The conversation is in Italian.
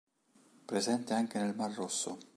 Presente anche nel mar Rosso.